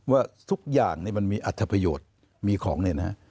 ว่าทุกอย่างมันมีอัธิบายโยชน์มีของเนี่ยนะครับ